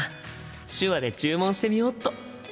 手話で注文してみよっと！